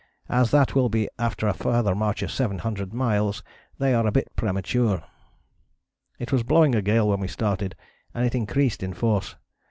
As that will be after a further march of 700 miles they are a bit premature. "It was blowing a gale when we started and it increased in force.